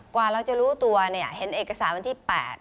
กว่าเราจะรู้ตัวเนี่ยเห็นเอกสารวันที่๘